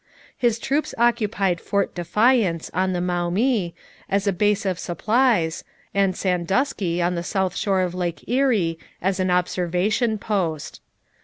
His troops occupied Fort Defiance, on the Maumee, as a base of supplies, and Sandusky, on the south shore of Lake Erie, as an observation post.